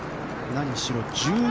何しろ